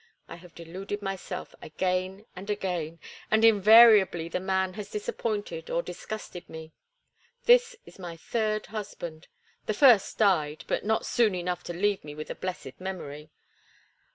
I have deluded myself again and again, and invariably the man has disappointed or disgusted me. This is my third husband. The first died, but not soon enough to leave me with a blessed memory.